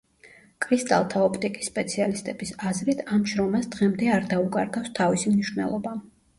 კრისტალთა ოპტიკის სპეციალისტების აზრით, ამ შრომას დღემდე არ დაუკარგავს თავისი მნიშვნელობა.